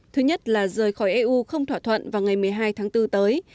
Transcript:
thứ nhất là rời khỏi eu không thỏa thuận vào ngày một mươi hai tháng bốn tới